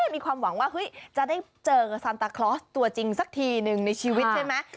มีความหวังว่าจะได้เจอกับซันตาคลอสตัวจริงสักทีหนึ่งในชีวิตใช่ไหม